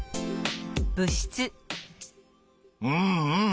うんうん